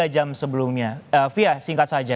tiga jam sebelumnya fia singkat saja